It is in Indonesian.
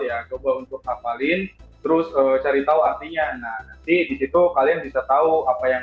ya coba untuk hafalin terus cari tahu artinya nah nanti disitu kalian bisa tahu apa yang